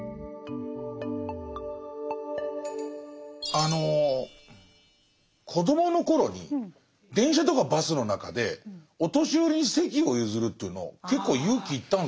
あの子どもの頃に電車とかバスの中でお年寄りに席を譲るというの結構勇気いったんですよ。